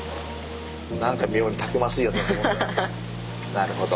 なるほど。